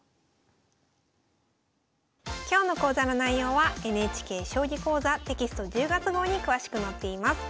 今日の講座の内容はＮＨＫ「将棋講座」テキスト１０月号に詳しく載っています。